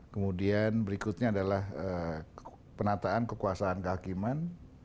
kemudian berikutnya adalah penataan kekuasaan kehakiman